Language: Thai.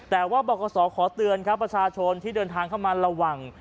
แต่ว่าบอกขอสอขอเตือนครับประชาชนที่เดินทางเข้ามาระวัง